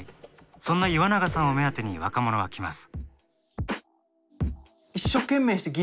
そんな岩永さんを目当てに若者は来ます